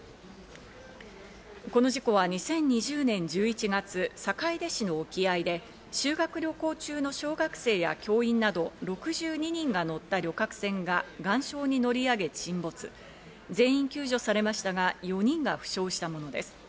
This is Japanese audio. この事故は２０２０年１１月、坂出市の沖合で、修学旅行中の小学生や教員など６２人が乗った旅客船が岩礁に乗り上げ沈没、全員救助されましたが、４人が負傷したものです。